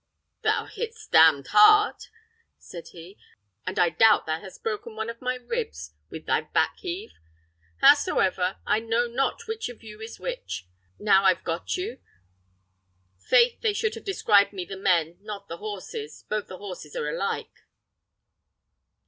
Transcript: "Thou hit'st damned hard!" said he; "and I doubt thou hast broken one of my ribs with thy back heave. Howsoever, I know not which of you is which, now I've got you. Faith, they should have described me the men, not the horses; both the horses are alike."